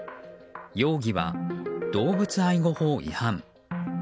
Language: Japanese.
容疑は動物愛護法違反。